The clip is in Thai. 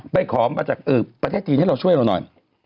ไปขอประเทศจีนให้ช่วยเราหน่อย